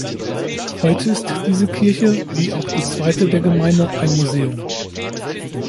Heute ist diese Kirche, wie auch die zweite der Gemeinde, ein Museum.